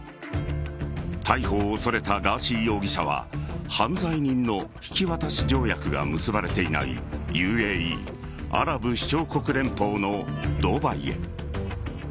逮捕を恐れたガーシー容疑者は犯罪人の引き渡し条約が結ばれていないＵＡＥ＝アラブ首長国連邦のドバイへ。